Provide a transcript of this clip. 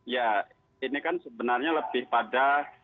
ya ini kan sebenarnya lebih pada